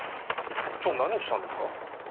ちょ何したんですか？